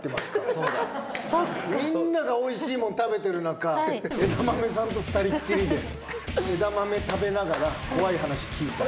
みんながおいしいもん食べてる中枝豆さんと二人きりでエダマメ食べながら怖い話聞いた。